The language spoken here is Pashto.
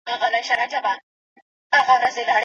د ټولنې تاریخ موږ ته ډېر څه را زده کوي.